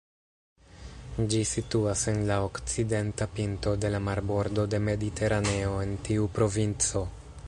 Ĝi situas en la okcidenta pinto de la marbordo de Mediteraneo en tiu provinco.